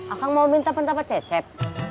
akan mau minta pendapat cecep